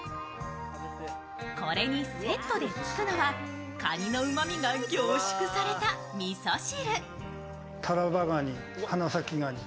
これにセットでつくのはカニのうまみが凝縮されたみそ汁。